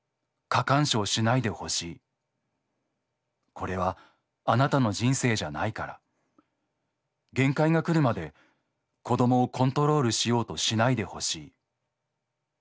これはあなたの人生じゃないから限界が来るまで子どもをコントロールしようとしないでほしい」。